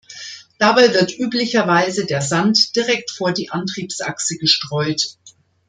Dabei wird üblicherweise der Sand direkt vor die Antriebsachse gestreut.